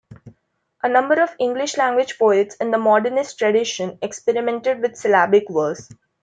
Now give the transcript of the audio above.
A number of English-language poets in the Modernist tradition experimented with syllabic verse.